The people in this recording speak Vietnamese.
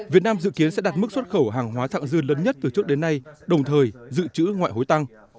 việt nam dự kiến sẽ đạt mức xuất khẩu hàng hóa thẳng dư lớn nhất từ trước đến nay đồng thời dự trữ ngoại hối tăng